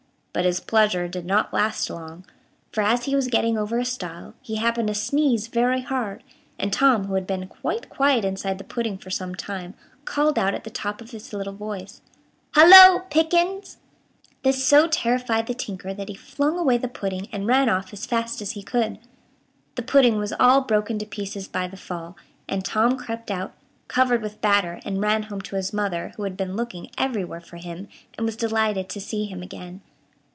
But his pleasure did not last long, for, as he was getting over a stile, he happened to sneeze very hard, and Tom, who had been quite quiet inside the pudding for some time, called out at the top of his little voice, "Hallo, Pickens!" This so terrified the tinker that he flung away the pudding, and ran off as fast as he could. The pudding was all broken to pieces by the fall, and Tom crept out, covered with batter, and ran home to his mother, who had been looking everywhere for him, and was delighted to see him again.